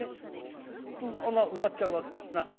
スッと穴埋まっちゃうわけですな。